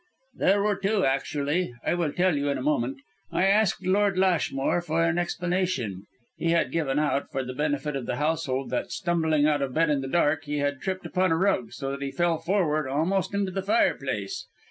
"There were two actually; I will tell you in a moment. I asked Lord Lashmore for an explanation. He had given out, for the benefit of the household, that, stumbling out of bed in the dark, he had tripped upon a rug, so that he fell forward almost into the fireplace.